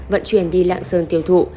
vận chuyển đi lạng sơn tiêu thụ